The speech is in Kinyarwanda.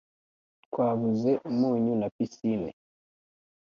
Twabuze umunyu na pisine